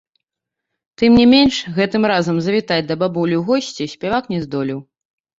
Тым не менш, гэтым разам завітаць да бабулі ў госці спявак не здолеў.